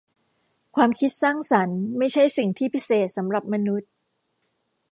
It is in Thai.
ความคิดสร้างสรรค์ไม่ใช่สิ่งที่พิเศษสำหรับมนุษย์